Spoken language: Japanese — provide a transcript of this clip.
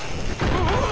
ああ！